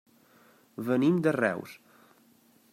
Venim de Reus.